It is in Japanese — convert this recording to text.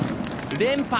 連覇。